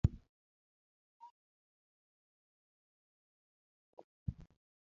To en ang'o kata kane oyude e wiye malo?